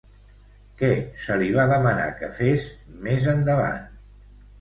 Què se li va demanar que fes, més endavant?